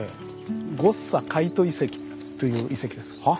ゴッサカイト遺跡という遺跡です。